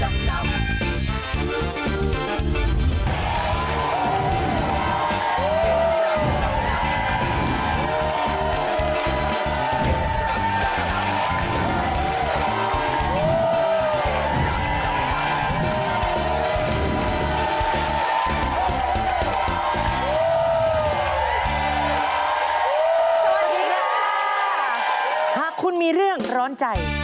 หากคุณมีเรื่องร้อนใจ